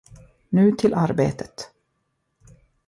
Nu till arbetet!